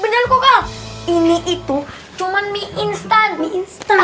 bener bener ini itu cuman mie instan insta di